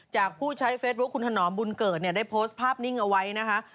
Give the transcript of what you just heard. ผู้ใช้เฟซบุ๊คคุณถนอมบุญเกิดเนี่ยได้โพสต์ภาพนิ่งเอาไว้นะคะ